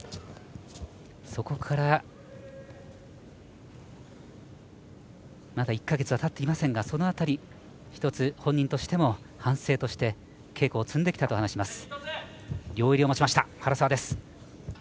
そこからまだ１か月たっていませんがその辺り、１つ本人として反省として稽古を積んできたと話しています。